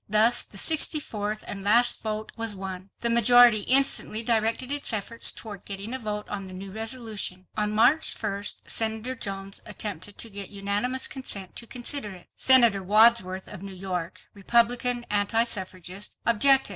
Thus the sixty fourth and last vote was won. The majority instantly directed its efforts toward getting a vote on the new resolution. On March 1st Senator Jones attempted to get unanimous consent to consider it. Senator Wadsworth, of New York, Republican anti suffragist, objected.